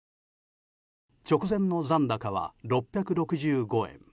直前の残高は６６５円。